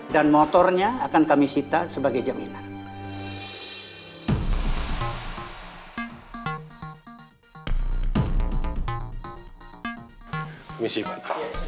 dan motornya akan kami sita sebagai jaminan